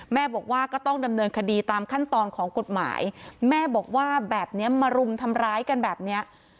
แม่บอกว่าก็ต้องดำเนินคดีตามขั้นตอนของกฎหมายแม่บอกว่าแบบนี้มารุมทำร้ายกันแบบเนี้ย